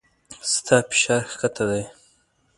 ستا فشار کښته دی